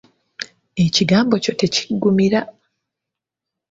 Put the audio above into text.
Ekigambo ekyo tekiggumira.